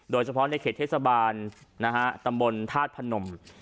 โดยเฉพาะในเขตเทศบาลตำบลธาตุพนม